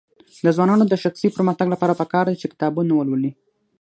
د ځوانانو د شخصي پرمختګ لپاره پکار ده چې کتابونه ولولي.